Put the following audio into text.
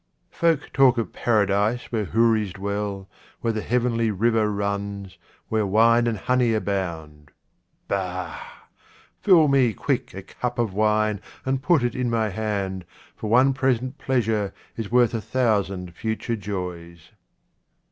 Folk talk of Paradise where houris dwell, where the heavenly river runs, where wine and honey abound. Bah ! Fill me quick a cup of wine, and put it in my hand, for one present pleasure is worth a thousand future joys.